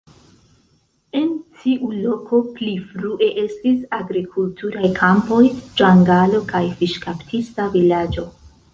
En tiu loko pli frue estis agrikulturaj kampoj, ĝangalo kaj fiŝkaptista vilaĝo.